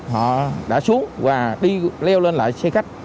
họ đã xuống và đi leo lên lại xe khách